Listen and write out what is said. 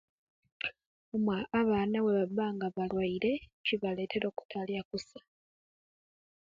Abaana wembanga baluire kibaletera okutaliya kusa